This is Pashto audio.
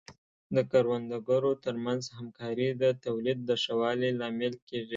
د کروندګرو ترمنځ همکاري د تولید د ښه والي لامل کیږي.